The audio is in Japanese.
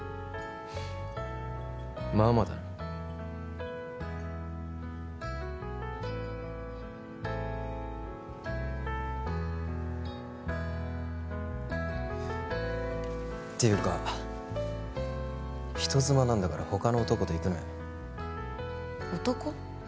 まあまあだなっていうか人妻なんだからほかの男と行くなよ男？